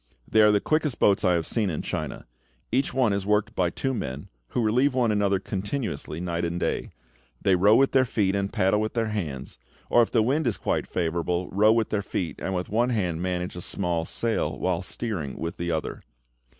They are the quickest boats I have seen in China. Each one is worked by two men, who relieve one another continuously night and day. They row with their feet, and paddle with their hands; or if the wind is quite favourable, row with their feet, and with one hand manage a small sail, while steering with the other.